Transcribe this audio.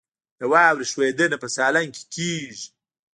د واورې ښویدنه په سالنګ کې کیږي